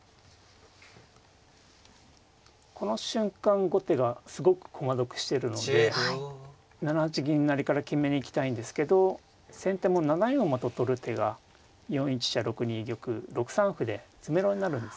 この瞬間後手がすごく駒得してるので７八銀成から決めに行きたいんですけど先手も７四馬と取る手が４一飛車６二玉６三歩で詰めろになるんですね。